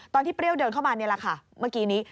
เปรี้ยวเดินเข้ามานี่แหละค่ะเมื่อกี้นี้